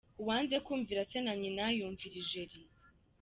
Uwanze kumvira se na nyina yumvira ijeri.